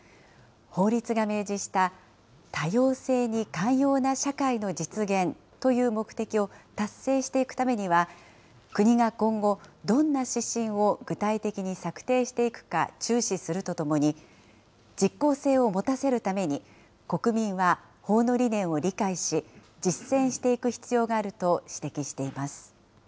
法律が明示した多様性に寛容な社会の実現という目的を達成していくためには、国が今後、どんな指針を具体的に策定していくか注視するとともに、実効性を持たせるために、国民は法の理念を理解し、実践していく必要があると指摘しています。